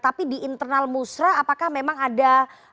tapi di internal musrah apakah memang ada